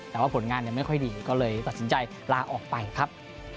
แต่ว่าผลงานไม่ค่อยดีก็เลยตัดสินใจลาออกไปครับ